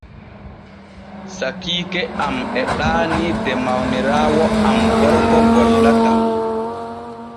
Sakiike am e ɗaanii de mawniraawo am gorko gollata.